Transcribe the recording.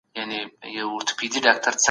اثر په خپله وڅېړئ او پایلې یې ولیکئ.